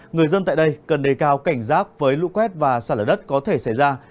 người dân tại đây cần đề cao cảnh giác với lũ quét và sạt lở đất có thể xảy ra